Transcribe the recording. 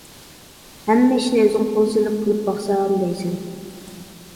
ھەممە ئىشنى ئۆزۈڭ قول سېلىپ قىلىپ باقسام دەيسەن.